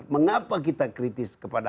mengapa kita kritis kepada